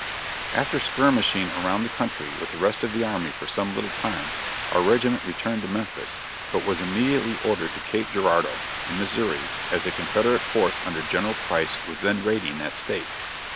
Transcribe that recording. After skirmishing around the country with the rest of the army for some little time, our regiment returned to Memphis, but was immediately ordered to Cape Girardeau, in Missouri, as a confederate force under General Price was then raiding that state.